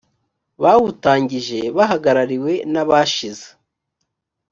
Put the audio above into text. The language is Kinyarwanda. bawutangije bahagarariwe n abashize